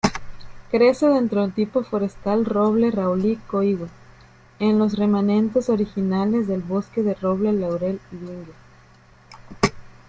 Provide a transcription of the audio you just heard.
Crece dentro del tipo forestal "Roble-Raulí-Coigüe", en los remanentes originales del bosque de "Roble-Laurel-Lingue".